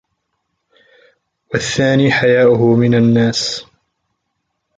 وَالثَّانِي حَيَاؤُهُ مِنْ النَّاسِ